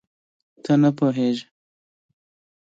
ته پوهېږې